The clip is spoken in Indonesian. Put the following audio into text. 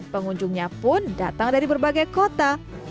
pengunjungnya pun datang dari berbagai kota